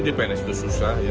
jadi pns itu susah ya